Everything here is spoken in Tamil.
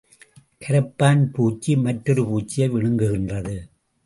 கரப்பான்பூச்சி மற்றெரு பூச்சியை விழுங்குகின்றது.